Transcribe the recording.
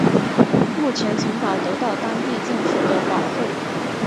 目前城堡得到当地政府的保护。